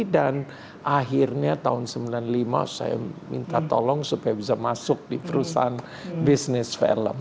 dan akhirnya tahun seribu sembilan ratus sembilan puluh lima saya minta tolong supaya bisa masuk di perusahaan bisnis film